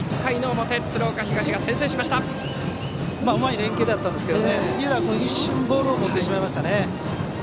うまい連携だったんですが杉浦君一瞬ボールを見てしまいましたね。